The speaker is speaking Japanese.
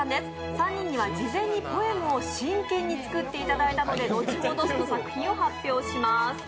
３人には事前にポエムを真剣に作っていただいたので後ほど作品を発表します。